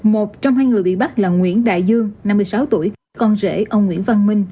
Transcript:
một trong hai người bị bắt là nguyễn đại dương năm mươi sáu tuổi con rể ông nguyễn văn minh